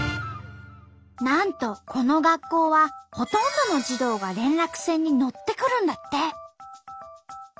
なんとこの学校はほとんどの児童が連絡船に乗って来るんだって。